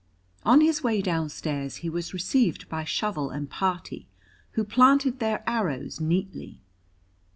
On his way downstairs he was received by Shovel and party, who planted their arrows neatly.